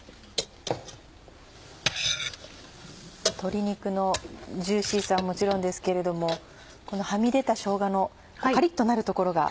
鶏肉のジューシーさはもちろんですけれどもこのはみ出たしょうがのカリっとなる所が。